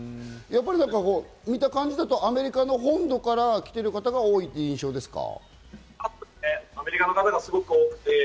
見た感じだと、アメリカの本土から来ている方が多いという印象ですか？